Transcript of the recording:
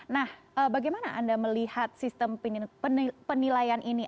nah bagaimana anda melihat sistem penilaian ini